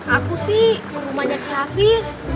aku sih rumahnya si hafiz